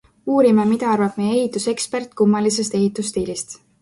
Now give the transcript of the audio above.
Uurime, mida arvab meie ehitusekspert kummalisest ehitusstiilist.